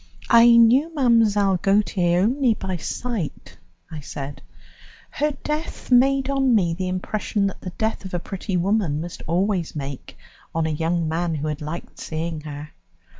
"I knew Mlle. Gautier only by sight," I said; "her death made on me the impression that the death of a pretty woman must always make on a young man who had liked seeing her.